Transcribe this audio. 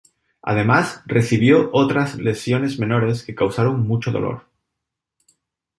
Además, recibió otras lesiones menores que causaron mucho dolor.